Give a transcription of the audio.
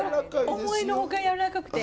思いの外やわらかくて。